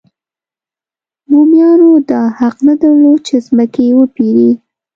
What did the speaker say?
بومیانو دا حق نه درلود چې ځمکې وپېري.